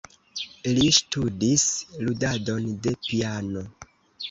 Li ŝtudis ludadon de piano.